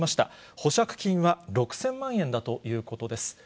保釈金は６０００万円だということです。